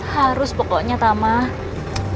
harus pokoknya tamah